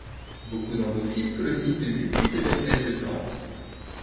Beaucoup d'endophytes colonisent de multiples espèces de plantes.